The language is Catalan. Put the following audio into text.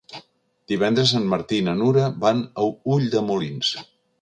Divendres en Martí i na Nura van a Ulldemolins.